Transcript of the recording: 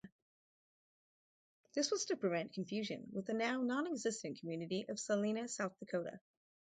This was to prevent confusion with the now non-existent community of Salena, South Dakota.